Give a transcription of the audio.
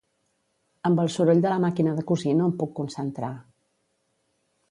Amb el soroll de la màquina de cosir no em puc concentrar...